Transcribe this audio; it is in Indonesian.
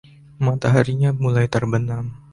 Mataharinya mulai terbenam.